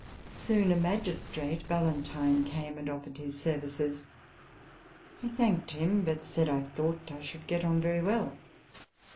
Soon a magistrate (Ballantine) came and offered his ser vices. I thanked him, but said I thought I should get on very well.